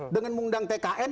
dengan mengundang tkn